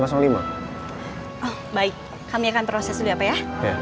oh baik kami akan proses dulu ya pak ya